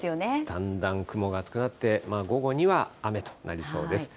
だんだん雲が厚くなって、午後には雨となりそうです。